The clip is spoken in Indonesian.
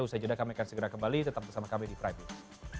usai jeda kami akan segera kembali tetap bersama kami di prime news